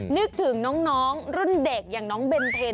นึกถึงน้องรุ่นเด็กอย่างน้องเบนเทน